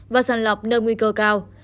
và sàng lọc nâng nguy cơ cao